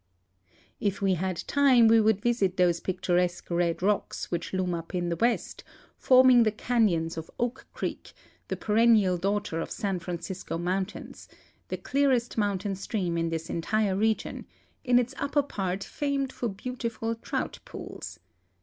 If we had time we would visit those picturesque red rocks which loom up in the west, forming the canons of Oak creek, the perennial daughter of San Francisco mountains, the clearest mountain stream in this entire region, in its upper part famed for beautiful trout pools.